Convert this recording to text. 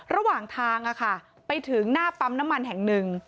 ระหว่างทางไปถึงหน้าปั๊มน้ำมันแห่งหนึ่ง